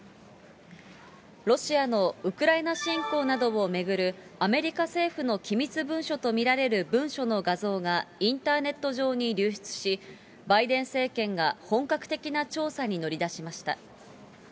ロシアのウクライナ侵攻などを巡るアメリカ政府の機密文書と見られる文書の画像がインターネット上に流出し、バイデン政権が本格的な調査に乗り出しました。